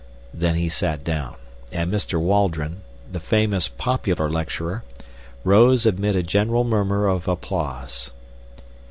Then he sat down, and Mr. Waldron, the famous popular lecturer, rose amid a general murmur of applause.